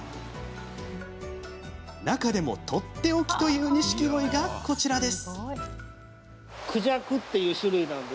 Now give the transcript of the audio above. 中でも、とっておきというニシキゴイがこちらです。